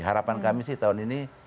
harapan kami sih tahun ini